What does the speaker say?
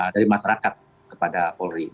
dari masyarakat kepada paul ri